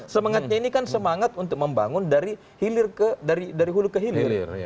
semangatnya ini kan semangat untuk membangun dari hulu ke hilir